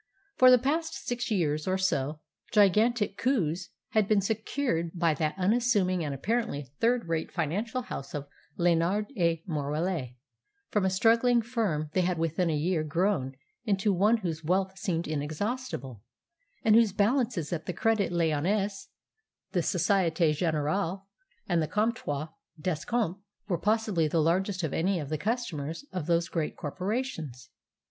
For the past six years or so gigantic coups had been secured by that unassuming and apparently third rate financial house of Lénard et Morellet. From a struggling firm they had within a year grown into one whose wealth seemed inexhaustible, and whose balances at the Credit Lyonnais, the Société Générale, and the Comptoir d'Escompte were possibly the largest of any of the customers of those great corporations.